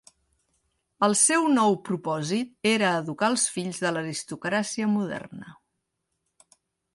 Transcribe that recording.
El seu nou propòsit era educar als fills de l'aristocràcia moderna.